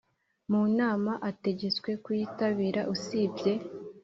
mu nama ategetswe kuyitabira Usibye